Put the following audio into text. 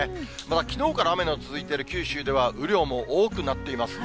きのうから雨の続いている九州では、雨量も多くなっています。